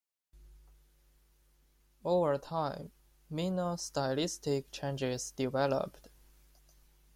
Over time, minor stylistic changes developed.